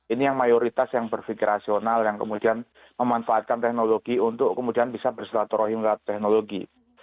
ini yang mayoritas yang berpikir rasional yang kemudian memanfaatkan teknologi untuk kemudian bisa bersilaturahim lewat teknologi